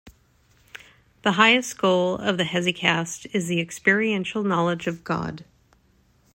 The highest goal of the hesychast is the experiential knowledge of God.